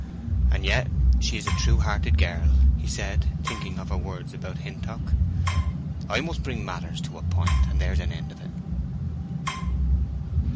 "And yet she's a true hearted girl," he said, thinking of her words about Hintock. "I must bring matters to a point, and there's an end of it."